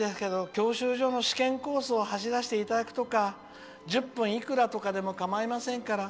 教習所の試験コースを走らせていただくとか１０分いくらとかでもかまいませんから」。